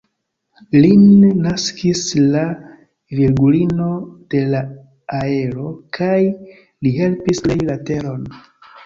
Lin naskis la Virgulino de la Aero, kaj li helpis krei la teron.